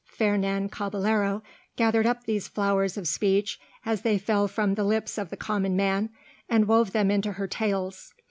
Fernan Caballero gathered up these flowers of speech as they fell from the lips of the common man, and wove them into her tales.